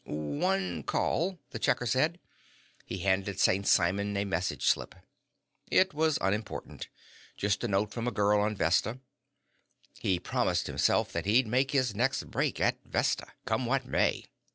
"One call," the checker said. He handed St. Simon a message slip. It was unimportant. Just a note from a girl on Vesta. He promised himself that he'd make his next break at Vesta, come what may.